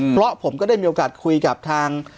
เพราะผมก็ได้มีโอกาสคุยกับทาง